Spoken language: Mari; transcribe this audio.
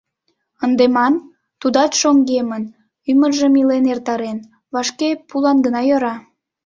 Ынде ман, тудат шоҥгемын, ӱмыржым илен эртарен, вашке пулан гына йӧра.